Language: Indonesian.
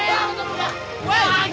disini tujuain s lelaws